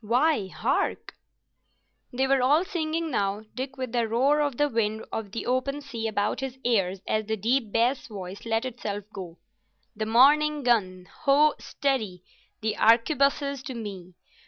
—Why, hark!" They were all singing now, Dick with the roar of the wind of the open sea about his ears as the deep bass voice let itself go. "The morning gun—Ho, steady! the arquebuses to me!